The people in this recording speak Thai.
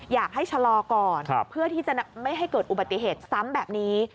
อยากให้ชะลอก่อนเพื่อที่จะไม่ให้เกิดอุบัติเหตุซ้ำแบบนี้